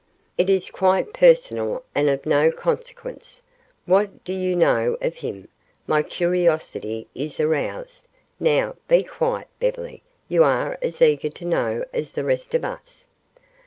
"It is quite personal and of no consequence. What do you know of him? My curiosity is aroused. Now, be quiet, Beverly; you are as eager to know as the rest of us."